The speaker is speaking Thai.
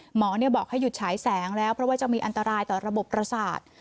หมอบอกให้หยุดฉายแสงแล้วเพราะว่าจะมีอันตรายต่อระบบประสาท